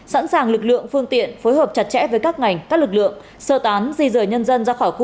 sẵn sàng lực lượng phương tiện phối hợp chặt chẽ với các ngành các lực lượng